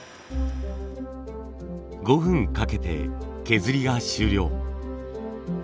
５分かけて削りが終了。